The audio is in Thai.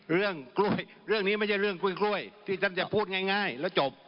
เรื่องกล้วยเรื่องนี้ไม่ใช่เรื่องกล้วยที่ท่านจะพูดง่ายแล้วจบ